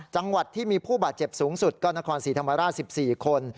จังหวัดที่มีผู้บาดเจ็บสูงสุดก็นครศรีธรรมราช๑๔คน